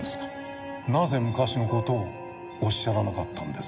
なぜ昔の事をおっしゃらなかったんですか？